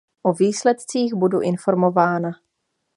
O výsledcích budu informována.